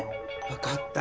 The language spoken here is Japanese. わかった。